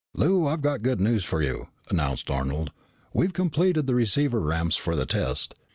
"Lou, I've got good news for you," announced Arnold. "We've completed the receiver ramps for the test.